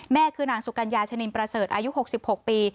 คือนางสุกัญญาชนินประเสริฐอายุ๖๖ปี